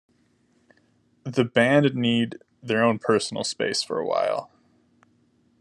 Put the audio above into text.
The band need their own personal space for a while.